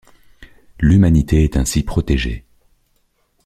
L'Humanité est ainsi protégée.